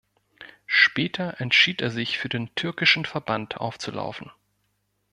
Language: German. Später entschied er sich für den türkischen Verband aufzulaufen.